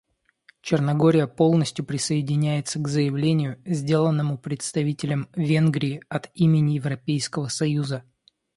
Черногория полностью присоединяется к заявлению, сделанному представителем Венгрии от имени Европейского союза.